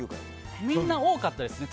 みんな、多かったですね。